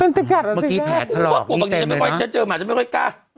มันจะกัดอะจริงแกะเต็มเลยนะโอ้ค่ะหัวบางทีจะไม่ปล่อยเจอหมาจะไม่ค่อยกล้า